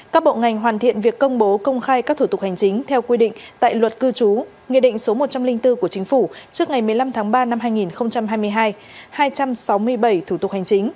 các bộ ngành hoàn thiện việc công bố công khai các thủ tục hành chính theo quy định tại luật cư trú nghị định số một trăm linh bốn của chính phủ trước ngày một mươi năm tháng ba năm hai nghìn hai mươi hai hai trăm sáu mươi bảy thủ tục hành chính